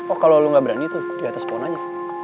oh kalau lo gak berani tuh di atas pohon aja